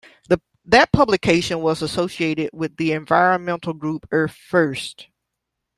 That publication was associated with the environmental group Earth First!